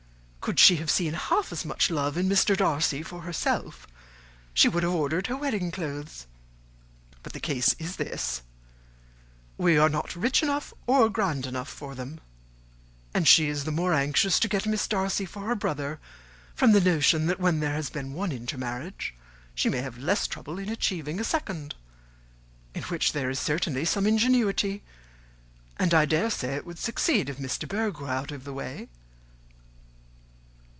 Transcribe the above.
Could she have seen half as much love in Mr. Darcy for herself, she would have ordered her wedding clothes. But the case is this: we are not rich enough or grand enough for them; and she is the more anxious to get Miss Darcy for her brother, from the notion that when there has been one inter marriage, she may have less trouble in achieving a second; in which there is certainly some ingenuity, and I dare say it would succeed if Miss de Bourgh were out of the way.